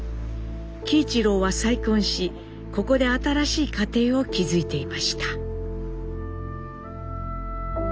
喜一郎は再婚しここで新しい家庭を築いていました。